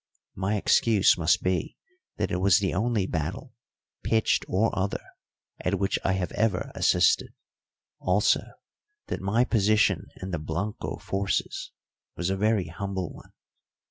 My excuse must be that it was the only battle pitched or other at which I have ever assisted, also that my position in the Blanco forces was a very humble one.